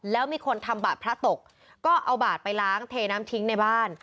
แล้วมีคนทำบาดพระตกก็เอาบาดไปล้างเทน้ำทิ้งในบ้าน